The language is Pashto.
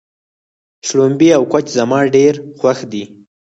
شړومبی او کوچ زما ډېر خوښ دي.